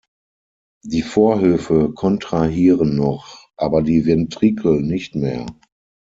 Die Vorhöfe kontrahieren noch, aber die Ventrikel nicht mehr.